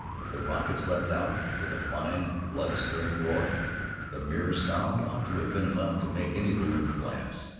The rockets leaped out, with a fine, blood stirring roar. The mere sound ought to have been enough to make any balloon collapse.